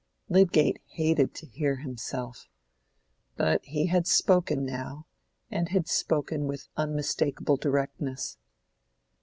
Lydgate hated to hear himself. But he had spoken now, and had spoken with unmistakable directness.